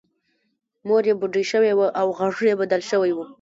مور یې بوډۍ شوې وه او غږ یې بدل شوی و